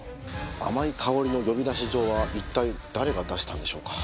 甘い香りの呼び出し状は一体誰が出したんでしょうか？